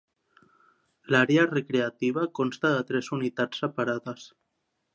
L'àrea recreativa consta de tres unitats separades.